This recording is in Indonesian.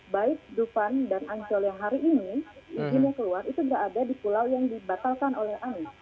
baik dufan dan ancol yang hari ini ini mau keluar itu tidak ada di pulau yang dibatalkan oleh